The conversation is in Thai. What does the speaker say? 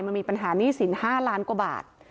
มันมีปัญหาหนี้สิน๕ล้านกว่าบาท